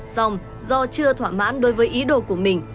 song do chưa thoả mãn đối với ý đồ của mình